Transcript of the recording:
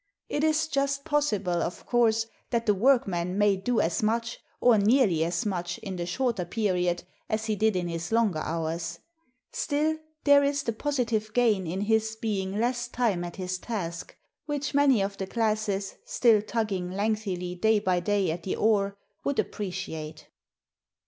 It is just possible, of course, that the workman may do as much, or nearly as much, in the shorter period as he did in his longer hours. Still, there is the positive gain in his being less time at his task, which many of the classes still tugging lengthily day by day at the oar would appreciate."